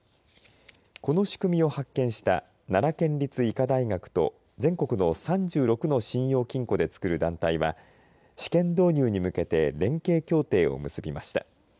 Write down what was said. この仕組みを発見した奈良県立医科大学と全国の３６の信用金庫でつくる団体は試験導入に向けて連携協定を結びました。